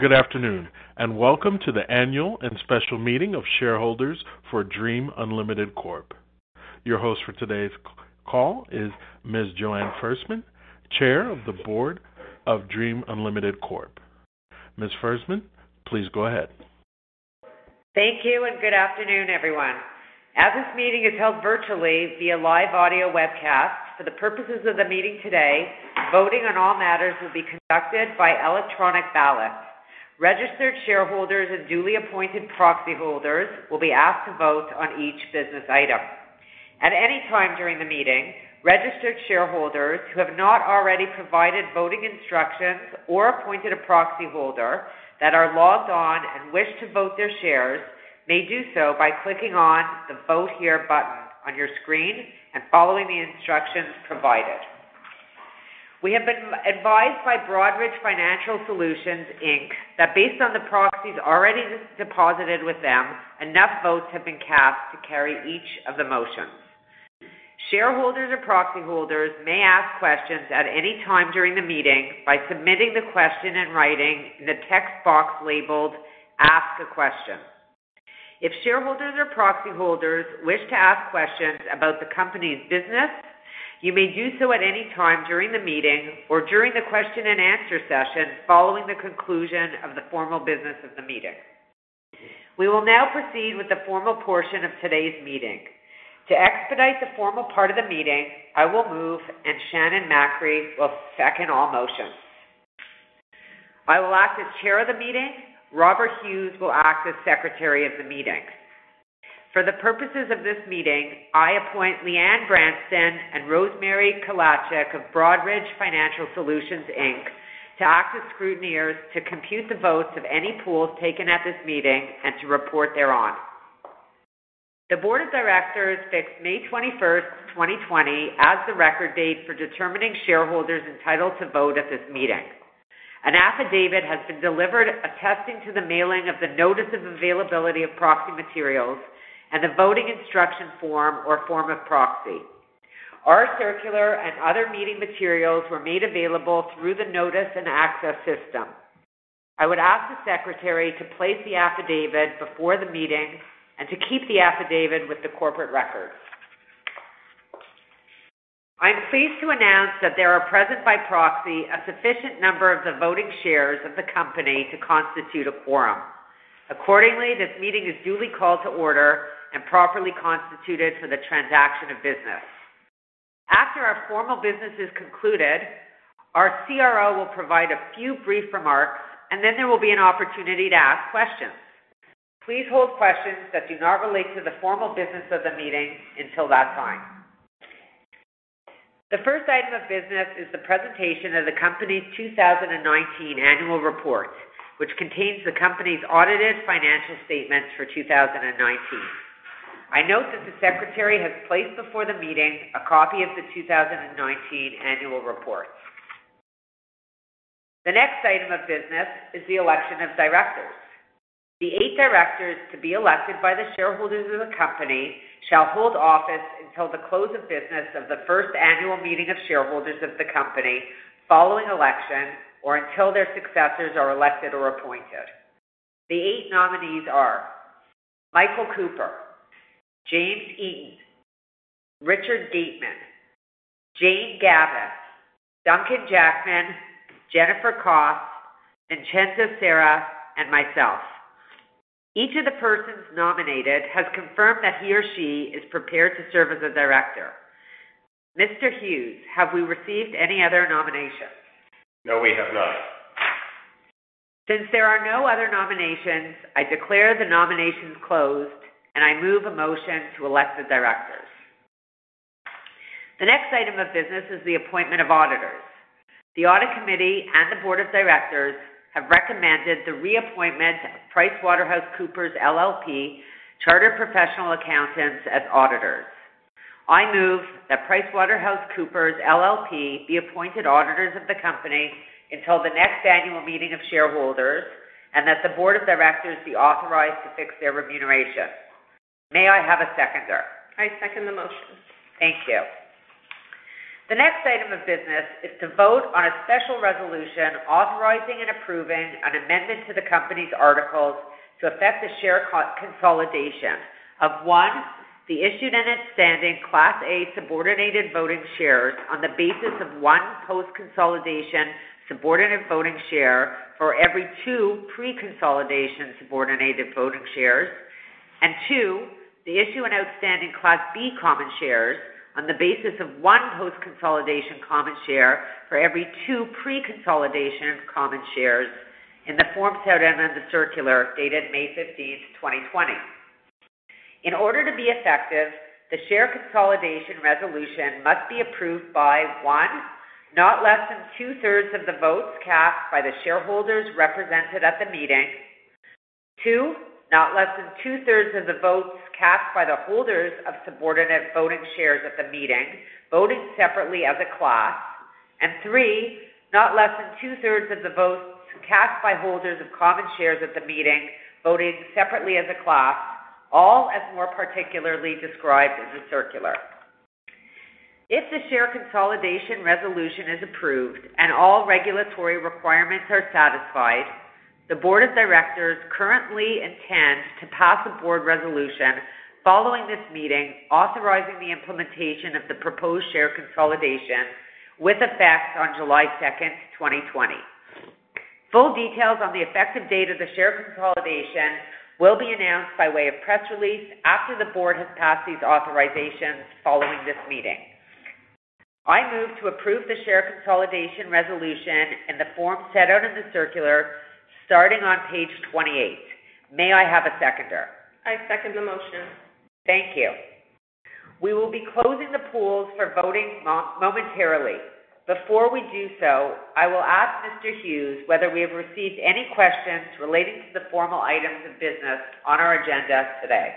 Good afternoon, and welcome to the annual and special meeting of shareholders for DREAM Unlimited Corp. Your host for today's call is Ms. Joanne Ferstman, Chair of the Board of DREAM Unlimited Corp. Ms. Ferstman, please go ahead. Thank you and good afternoon, everyone. As this meeting is held virtually via live audio webcast, for the purposes of the meeting today, voting on all matters will be conducted by electronic ballot. Registered shareholders and duly appointed proxy holders will be asked to vote on each business item. At any time during the meeting, registered shareholders who have not already provided voting instructions or appointed a proxy holder that are logged on and wish to vote their shares may do so by clicking on the Vote Here button on your screen and following the instructions provided. We have been advised by Broadridge Financial Solutions, Inc., that based on the proxies already deposited with them, enough votes have been cast to carry each of the motions. Shareholders or proxy holders may ask questions at any time during the meeting by submitting the question in writing in the text box labeled Ask a Question. If shareholders or proxy holders wish to ask questions about the company's business, you may do so at any time during the meeting or during the question and answer session following the conclusion of the formal business of the meeting. We will now proceed with the formal portion of today's meeting. To expedite the formal part of the meeting, I will move, and Shannon Macri will second all motions. I will act as chair of the meeting. Robert Hughes will act as secretary of the meeting. For the purposes of this meeting, I appoint Leanne Branton and Rosemary Kalacik of Broadridge Financial Solutions Inc. to act as scrutineers to compute the votes of any polls taken at this meeting and to report thereon. The board of directors fixed May 21st, 2020, as the record date for determining shareholders entitled to vote at this meeting. An affidavit has been delivered attesting to the mailing of the notice of availability of proxy materials and the voting instruction form or form of proxy. Our circular and other meeting materials were made available through the notice and access system. I would ask the secretary to place the affidavit before the meeting and to keep the affidavit with the corporate records. I'm pleased to announce that there are present by proxy a sufficient number of the voting shares of the company to constitute a quorum. Accordingly, this meeting is duly called to order and properly constituted for the transaction of business. After our formal business is concluded, our CRO will provide a few brief remarks, and then there will be an opportunity to ask questions. Please hold questions that do not relate to the formal business of the meeting until that time. The first item of business is the presentation of the company's 2019 annual report, which contains the company's audited financial statements for 2019. I note that the secretary has placed before the meeting a copy of the 2019 annual report. The next item of business is the election of directors. The eight directors to be elected by the shareholders of the company shall hold office until the close of business of the first annual meeting of shareholders of the company following election or until their successors are elected or appointed. The eight nominees are Michael Cooper, James Eaton, Richard Gateman, Jane Gavan, Duncan Jackman, Jennifer Koss, Vincenza Sera, and myself. Each of the persons nominated has confirmed that he or she is prepared to serve as a director. Mr. Hughes, have we received any other nominations? No, we have not. Since there are no other nominations, I declare the nominations closed, and I move a motion to elect the directors. The next item of business is the appointment of auditors. The audit committee and the board of directors have recommended the reappointment of PricewaterhouseCoopers LLP Chartered Professional Accountants as auditors. I move that PricewaterhouseCoopers LLP be appointed auditors of the company until the next annual meeting of shareholders and that the board of directors be authorized to fix their remuneration. May I have a seconder? I second the motion. Thank you. The next item of business is to vote on a special resolution authorizing and approving an amendment to the company's articles to effect a share consolidation of, one, the issued and outstanding Class A Subordinate Voting Shares on the basis of one post-consolidation subordinate voting share for every two pre-consolidation subordinate voting shares, and two, the issue and outstanding Class B Common Shares on the basis of one post-consolidation common share for every two pre-consolidation common shares in the form set out in the circular dated May 15th, 2020. In order to be effective, the share consolidation resolution must be approved by, one, not less than two-thirds of the votes cast by the shareholders represented at the meeting, two, not less than two-thirds of the votes cast by the holders of subordinate voting shares at the meeting, voting separately as a class, and three, not less than two-thirds of the votes cast by holders of common shares at the meeting, voting separately as a class, all as more particularly described in the circular. If the share consolidation resolution is approved and all regulatory requirements are satisfied, the board of directors currently intends to pass a board resolution following this meeting, authorizing the implementation of the proposed share consolidation with effects on July 2nd, 2020. Full details on the effective date of the share consolidation will be announced by way of press release after the board has passed these authorizations following this meeting. I move to approve the share consolidation resolution in the form set out in the circular starting on page 28. May I have a seconder? I second the motion. Thank you. We will be closing the polls for voting momentarily. Before we do so, I will ask Mr. Hughes whether we have received any questions relating to the formal items of business on our agenda today.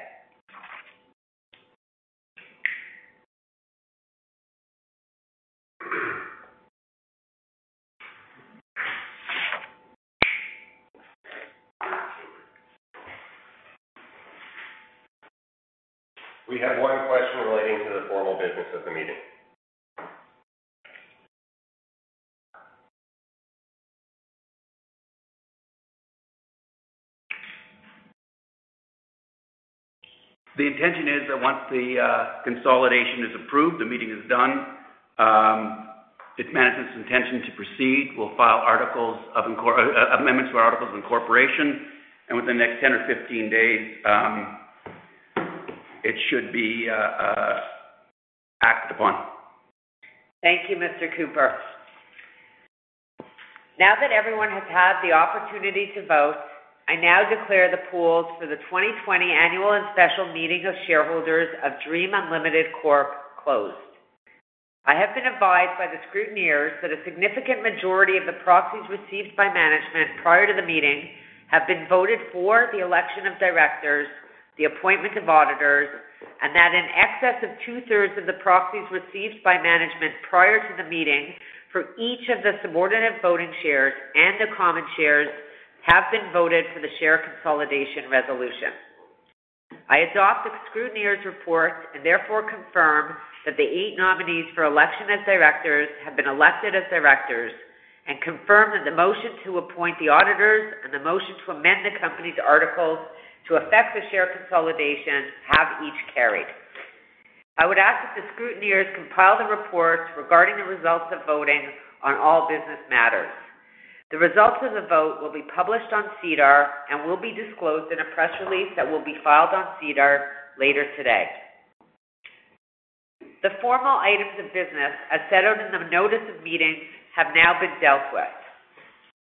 We have one question relating to the formal business of the meeting. The intention is that once the consolidation is approved, the meeting is done. It's management's intention to proceed. We'll file amendments to our articles of incorporation, and within the next 10 or 15 days, it should be acted upon. Thank you, Mr. Cooper. Now that everyone has had the opportunity to vote, I now declare the polls for the 2020 annual and special meeting of shareholders of DREAM Unlimited Corp. closed. I have been advised by the scrutineers that a significant majority of the proxies received by management prior to the meeting have been voted for the election of directors, the appointment of auditors, and that in excess of two-thirds of the proxies received by management prior to the meeting for each of the Subordinate Voting Shares and the Common Shares have been voted for the share consolidation resolution. I adopt the scrutineers' report and therefore confirm that the eight nominees for election as directors have been elected as directors and confirm that the motion to appoint the auditors and the motion to amend the company's articles to effect the share consolidation have each carried. I would ask that the scrutineers compile the reports regarding the results of voting on all business matters. The results of the vote will be published on SEDAR and will be disclosed in a press release that will be filed on SEDAR later today. The formal items of business as set out in the notice of meeting have now been dealt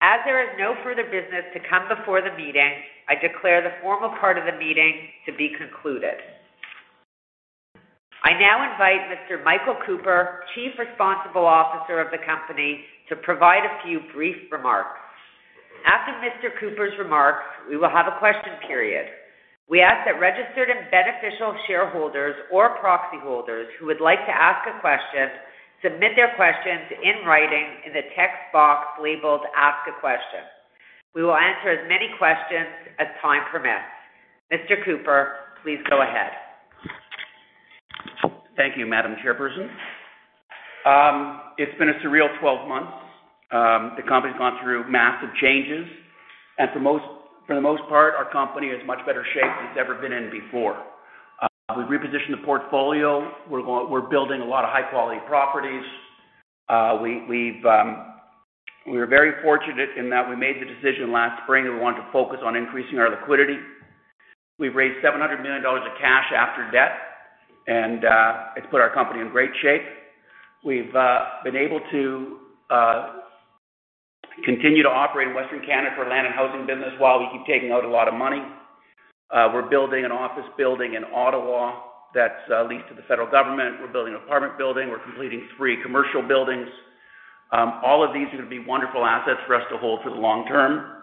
with. As there is no further business to come before the meeting, I declare the formal part of the meeting to be concluded. I now invite Mr. Michael Cooper, Chief Responsible Officer of the company, to provide a few brief remarks. After Mr. Cooper's remarks, we will have a question period. We ask that registered and beneficial shareholders or proxy holders who would like to ask a question submit their questions in writing in the text box labeled Ask a Question. We will answer as many questions as time permits. Mr. Cooper, please go ahead. Thank you, Madam Chairperson. It's been a surreal 12 months. The company's gone through massive changes and for the most part, our company is in much better shape it's ever been in before. We repositioned the portfolio. We're building a lot of high-quality properties. We were very fortunate in that we made the decision last spring that we wanted to focus on increasing our liquidity. We've raised 700 million dollars of cash after debt, and it's put our company in great shape. We've been able to continue to operate in Western Canada for land and housing business while we keep taking out a lot of money. We're building an office building in Ottawa that's leased to the federal government. We're building an apartment building. We're completing three commercial buildings. All of these are going to be wonderful assets for us to hold for the long term.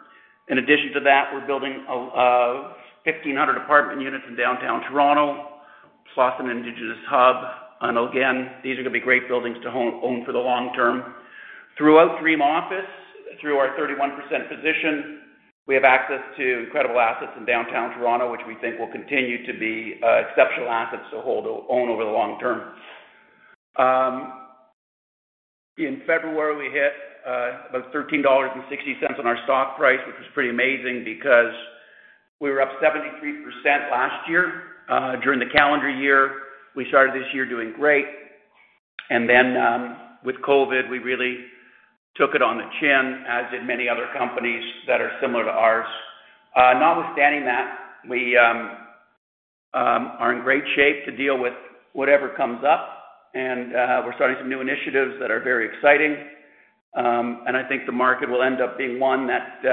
In addition to that, we're building 1,500 apartment units in downtown Toronto, Slawson Indigenous Hub, and again, these are going to be great buildings to own for the long term. Throughout DREAM Office, through our 31% position, we have access to incredible assets in downtown Toronto, which we think will continue to be exceptional assets to own over the long term. In February, we hit about 13.60 dollars on our stock price, which was pretty amazing because we were up 73% last year, during the calendar year. We started this year doing great, and then with COVID, we really took it on the chin, as did many other companies that are similar to ours. Notwithstanding that, we are in great shape to deal with whatever comes up, and we're starting some new initiatives that are very exciting. I think the real estate market will end up being one that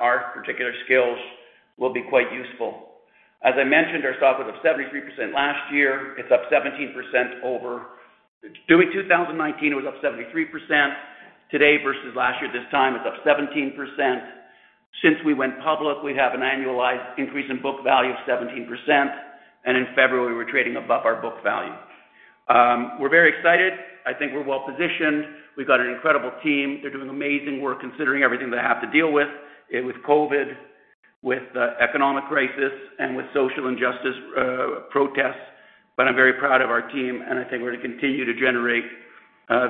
our particular skills will be quite useful. As I mentioned, our stock was up 73% last year. During 2019, it was up 73%. Today versus last year, this time it's up 17%. Since we went public, we have an annualized increase in book value of 17%, and in February, we're trading above our book value. We're very excited. I think we're well-positioned. We've got an incredible team. They're doing amazing work considering everything they have to deal with COVID, with the economic crisis, and with social injustice protests. I'm very proud of our team, and I think we're going to continue to generate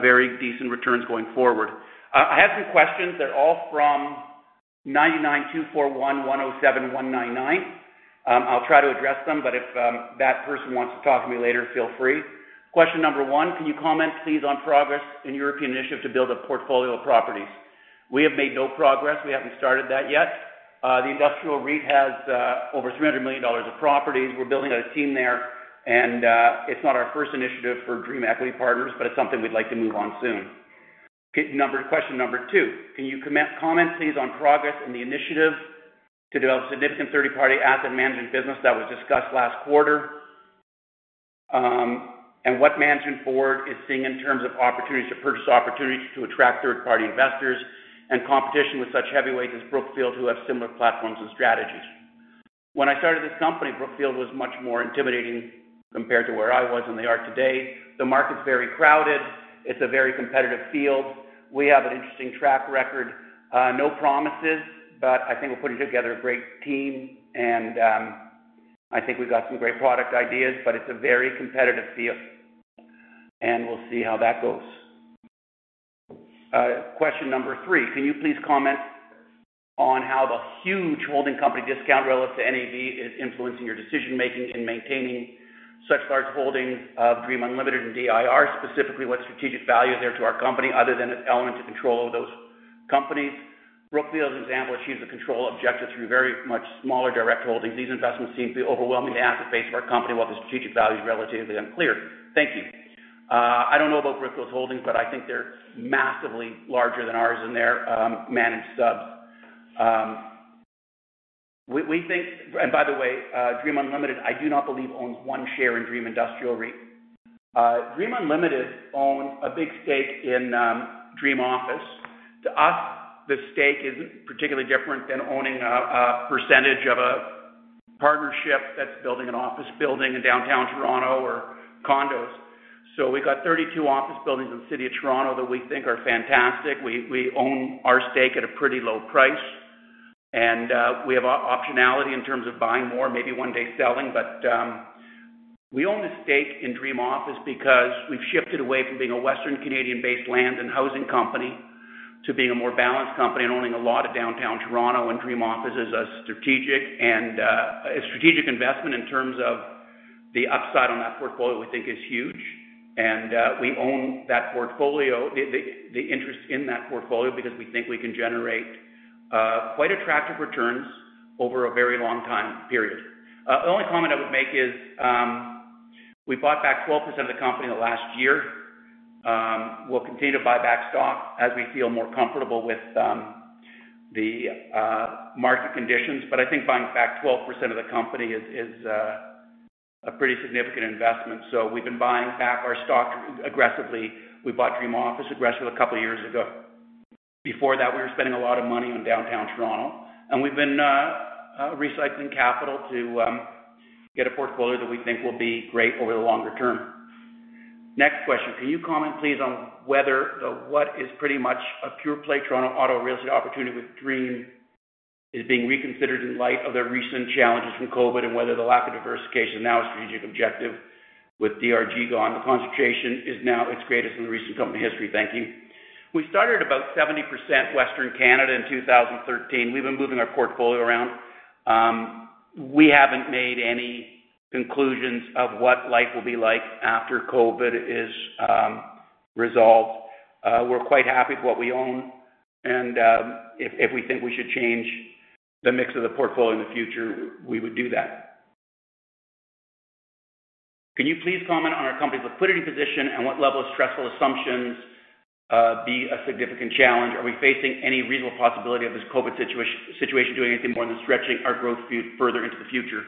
very decent returns going forward. I have some questions. They're all from 99241107199. I'll try to address them, but if that person wants to talk to me later, feel free. Question number 1, can you comment, please, on progress in European initiative to build a portfolio of properties? We have made no progress. We haven't started that yet. The Industrial REIT has over 300 million dollars of properties. We're building a team there, and it's not our first initiative for DREAM Equity Partners, but it's something we'd like to move on soon. Question number 2, can you comment, please, on progress in the initiative to develop significant third-party asset management business that was discussed last quarter? What management forward is seeing in terms of opportunities to purchase to attract third-party investors, and competition with such heavyweights as Brookfield, who have similar platforms and strategies. When I started this company, Brookfield was much more intimidating compared to where I was than they are today. The market's very crowded. It's a very competitive field. We have an interesting track record. No promises, but I think we're putting together a great team and I think we've got some great product ideas, but it's a very competitive field. We'll see how that goes. Question number three, can you please comment on how the huge holding company discount relative to NAV is influencing your decision-making in maintaining such large holdings of DREAM Unlimited and DIR. Specifically, what strategic value is there to our company other than its element to control those companies? Brookfield, as an example, achieves the control objective through very much smaller direct holdings. These investments seem to be overwhelmingly asset-based for our company while the strategic value is relatively unclear. Thank you. I don't know about Brookfield's holdings, I think they're massively larger than ours and their managed subs. By the way, DREAM Unlimited, I do not believe owns one share in DREAM Industrial REIT. DREAM Unlimited own a big stake in DREAM Office. To us, the stake isn't particularly different than owning a percentage of a partnership that's building an office building in downtown Toronto or condos. We've got 32 office buildings in the city of Toronto that we think are fantastic. We own our stake at a pretty low price, and we have optionality in terms of buying more, maybe one day selling. We own a stake in DREAM Office because we've shifted away from being a Western Canadian-based land and housing company to being a more balanced company and owning a lot of downtown Toronto. DREAM Office is a strategic investment in terms of the upside on that portfolio we think is huge. We own the interest in that portfolio because we think we can generate quite attractive returns over a very long time period. The only comment I would make is we bought back 12% of the company in the last year. We'll continue to buy back stock as we feel more comfortable with the market conditions. I think buying back 12% of the company is a pretty significant investment. We've been buying back our stock aggressively. We bought DREAM Office aggressively a couple years ago. Before that, we were spending a lot of money on downtown Toronto. We've been recycling capital to get a portfolio that we think will be great over the longer term. Next question, can you comment, please, on whether the what is pretty much a pure-play Toronto auto real estate opportunity with DREAM is being reconsidered in light of the recent challenges from COVID, and whether the lack of diversification is now a strategic objective with DRG gone. The concentration is now its greatest in the recent company history. Thank you. We started about 70% Western Canada in 2013. We've been moving our portfolio around. We haven't made any conclusions of what life will be like after COVID is resolved. We're quite happy with what we own, and if we think we should change the mix of the portfolio in the future, we would do that. Can you please comment on our company's liquidity position and what level of stressful assumptions be a significant challenge? Are we facing any reasonable possibility of this COVID situation doing anything more than stretching our growth further into the future?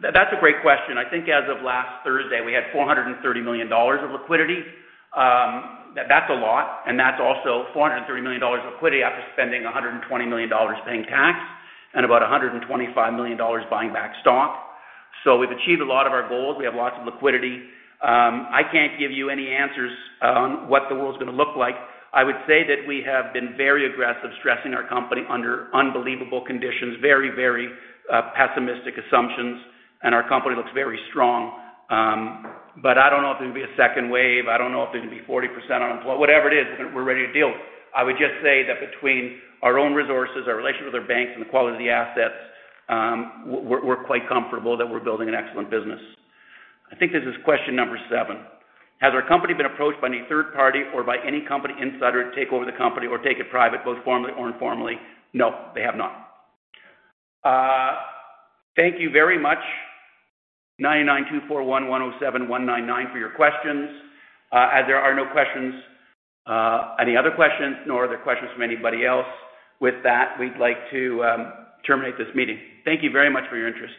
That's a great question. I think as of last Thursday, we had 430 million dollars of liquidity. That's a lot, and that's also 430 million dollars of liquidity after spending 120 million dollars paying tax and about 125 million dollars buying back stock. We've achieved a lot of our goals. We have lots of liquidity. I can't give you any answers on what the world's going to look like. I would say that we have been very aggressive, stressing our company under unbelievable conditions. Very pessimistic assumptions, our company looks very strong. I don't know if there's going to be a second wave. I don't know if there's going to be 40% unemployed. Whatever it is, we're ready to deal. I would just say that between our own resources, our relationship with our banks, the quality of the assets, we're quite comfortable that we're building an excellent business. I think this is question number seven. Has our company been approached by any third party or by any company insider to take over the company or take it private, both formally or informally? No, they have not. Thank you very much, 99241107199, for your questions. As there are no questions, any other questions, nor other questions from anybody else, with that, we'd like to terminate this meeting. Thank you very much for your interest.